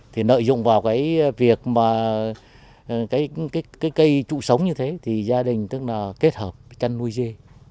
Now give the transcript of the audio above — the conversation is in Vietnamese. thì nợ dụng vào cái việc mà cái cây trụ sống như thế thì gia đình tức là kết hợp chăn nuôi dê